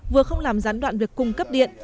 vừa không làm gián đoạn việc cung cấp điện